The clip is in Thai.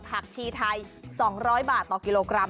ชีไทย๒๐๐บาทต่อกิโลกรัม